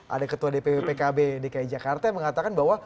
ada ketua dpw pkb dki jakarta yang mengatakan bahwa